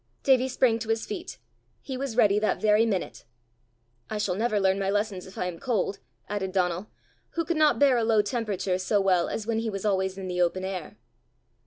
Davie sprang to his feet: he was ready that very minute. "I shall never learn my lessons if I am cold," added Donal, who could not bear a low temperature so well as when he was always in the open air.